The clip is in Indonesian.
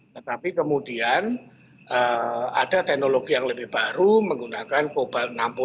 tetapi kemudian ada teknologi yang lebih baru menggunakan kobal enam puluh